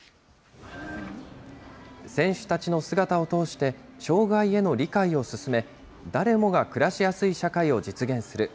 選手たちの姿を通して、障害への理解を進め、誰もが暮らしやすい社会を実現する。